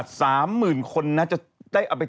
จากธนาคารกรุงเทพฯ